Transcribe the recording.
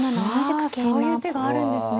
そういう手があるんですね。